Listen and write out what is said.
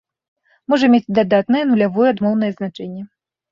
Можа мець дадатнае, нулявое і адмоўнае значэнне.